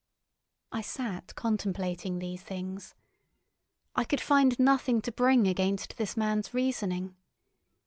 I sat contemplating these things. I could find nothing to bring against this man's reasoning.